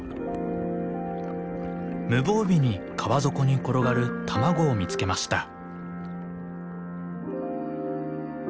無防備に川底に転がる卵を見つけました。